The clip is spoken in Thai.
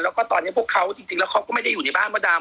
แล้วก็ตอนนี้พวกเขาจริงแล้วเขาก็ไม่ได้อยู่ในบ้านมดดำ